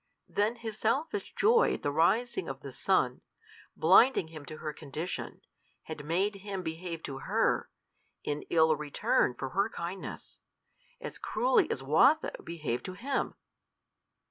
Then his selfish joy at the rising of the sun, blinding him to her condition, had made him behave to her, in ill return for her kindness, as cruelly as Watho behaved to him!